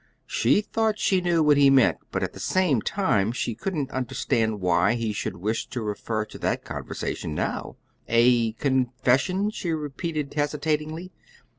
She thought she knew what he meant, but at the same time she couldn't understand why he should wish to refer to that conversation now. "A confession?" she repeated, hesitatingly.